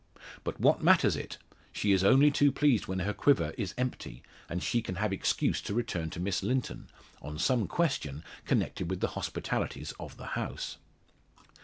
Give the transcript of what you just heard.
But what matters it? She is only too pleased when her quiver is empty, and she can have excuse to return to Miss Linton, on some question connected with the hospitalities of the house.